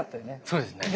そうですね。